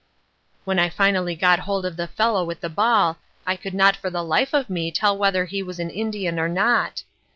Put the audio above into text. When I finally got hold of the fellow with the ball I could not for the life of me tell whether he was an Indian or not.